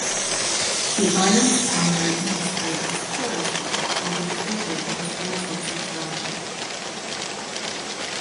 The island's primary industry is tourism, although fishing is also substantial.